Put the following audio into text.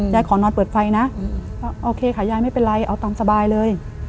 ขอนอนเปิดไฟนะโอเคค่ะยายไม่เป็นไรเอาตามสบายเลย